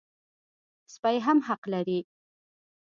سپي هم حق لري.